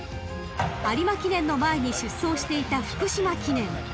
［有馬記念の前に出走していた福島記念］